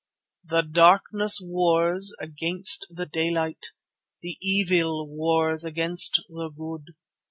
The Darkness wars against the Daylight, the Evil wars against the Good.